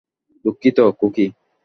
দুঃখিত, খুকী।